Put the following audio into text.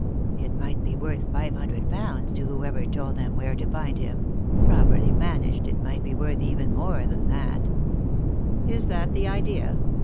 It might be worth five hundred pounds to whoever told them where to find him — properly managed it might be worth even more than that" " Is that the idea